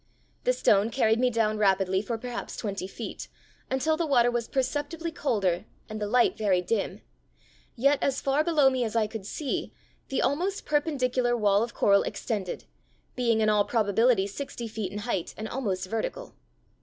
The stone carried me down rapidly for perhaps twenty feet, until the water was perceptibly colder and the light very dim, yet as far below me as I could see, the almost perpendicular wall of coral extended, being in all probability sixty feet in height and almost vertical.